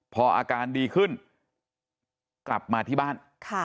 พออาการดีขึ้นกลับมาที่บ้าน